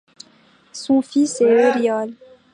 Son fils est Euryale.